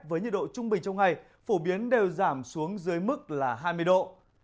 với nhiệt độ trung bình trong ngày phổ biến đều giảm xuống dưới mức là hai mươi độ